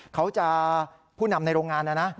เขาจะผู้นำในโรงงานนะนะ